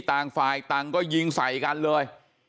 ต่างฝ่ายต่างก็ยิงใส่กันเลย